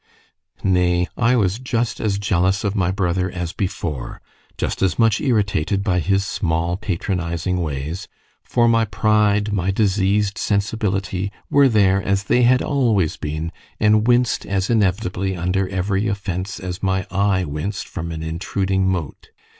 Nay, I was just as jealous of my brother as before just as much irritated by his small patronizing ways; for my pride, my diseased sensibility, were there as they had always been, and winced as inevitably under every offence as my eye winced from an intruding mote.